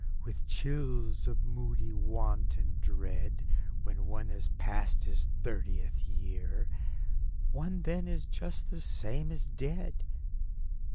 With chills of moody want and dread; When one has passed his thirtieth year, One then is just the same as dead.